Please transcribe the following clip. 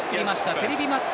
テレビマッチ